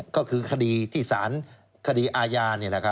ก็คือคดีที่สารคดีอาญา